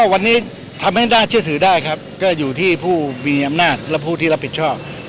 วันนี้ทำให้น่าเชื่อถือได้ครับก็อยู่ที่ผู้มีอำนาจและผู้ที่รับผิดชอบ